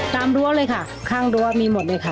รั้วเลยค่ะข้างรั้วมีหมดเลยค่ะ